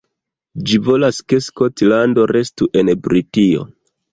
Ĝi volas ke Skotlando restu en Britio.